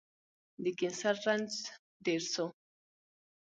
د کېنسر رنځ ډير سو